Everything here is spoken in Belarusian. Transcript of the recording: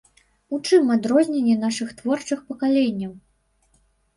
У чым адрозненні нашых творчых пакаленняў?